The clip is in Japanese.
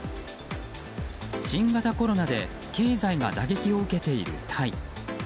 新型コロナで経済が打撃を受けているタイ。